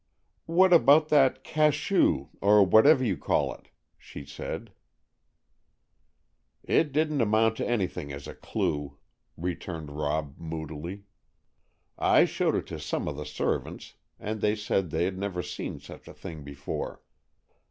"What about that cachou, or whatever you call it?" she said. "It didn't amount to anything as a clue," returned Rob moodily. "I showed it to some of the servants, and they said they had never seen such a thing before.